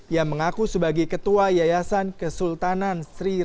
yang mengaku sebagai ketua yayasan kesultanan sri